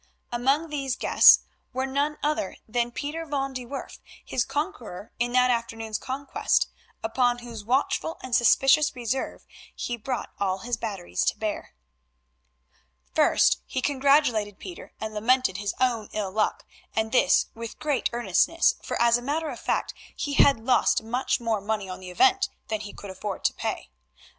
Among these guests was none other than Pieter van de Werff, his conqueror in that afternoon's conquest, upon whose watchful and suspicious reserve he brought all his batteries to bear. First he congratulated Pieter and lamented his own ill luck, and this with great earnestness, for as a matter of fact he had lost much more money on the event than he could afford to pay.